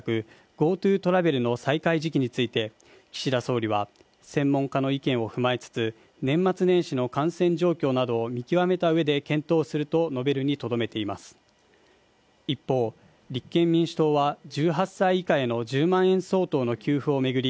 ＧｏＴｏトラベルの再開時期について岸田総理は専門家の意見を踏まえつつ年末年始の感染状況などを見極めたうえで検討すると述べるにとどめています一方立憲民主党は１８歳以下への１０万円相当の給付を巡り